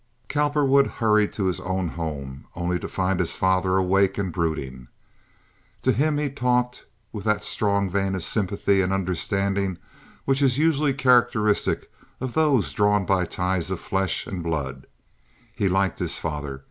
Cowperwood hurried to his own home only to find his father awake and brooding. To him he talked with that strong vein of sympathy and understanding which is usually characteristic of those drawn by ties of flesh and blood. He liked his father.